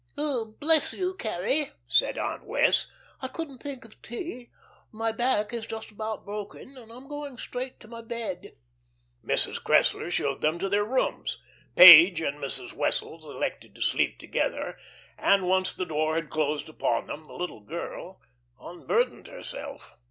"Oh, bless you, Carrie," said Aunt Wess'; "I couldn't think of tea. My back is just about broken, and I'm going straight to my bed." Mrs. Cressler showed them to their rooms. Page and Mrs. Wessels elected to sleep together, and once the door had closed upon them the little girl unburdened herself.